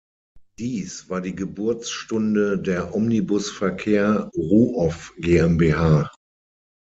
Dies war die Geburtsstunde der Omnibus-Verkehr Ruoff GmbH.